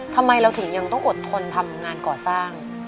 ทำไมเราถึงยังต้องอดทนทำงานก่อสร้าง